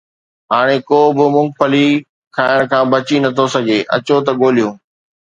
هاڻ ڪو به مونگ پھلي کائڻ کان بچي نٿو سگهي، اچو ته ڳولهيون